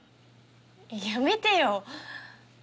やめてよ